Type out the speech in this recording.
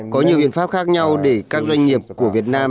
có nhiều biện pháp khác nhau để các doanh nghiệp của việt nam